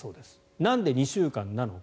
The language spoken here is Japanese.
なんで２週間なのか。